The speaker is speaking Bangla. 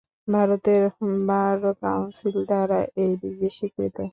ভারতের বার কাউন্সিল দ্বারা এই ডিগ্রী স্বীকৃত।